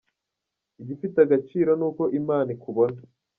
Igifite agaciro ni uko Imana ikubona.